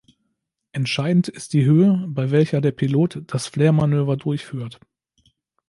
Entscheidend ist die Höhe, bei welcher der Pilot das Flare-Manöver durchführt.